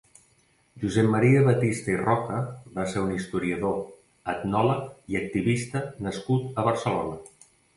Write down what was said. Josep Maria Batista i Roca va ser un historiador, etnòleg i activista nascut a Barcelona.